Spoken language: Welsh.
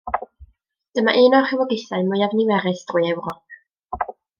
Dyma un o'r rhywogaethau mwyaf niferus drwy Ewrop.